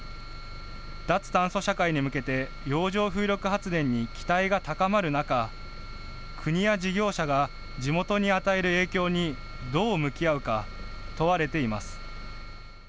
脱炭素社会に向けて、洋上風力発電に期待が高まる中、国や事業者が地元に与える影響に、どう向き合うか問われています。